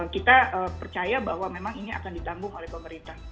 kita percaya bahwa memang ini akan ditanggung oleh pemerintah